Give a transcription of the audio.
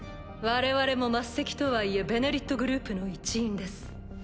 我々も末席とはいえ「ベネリット」グループの一員です。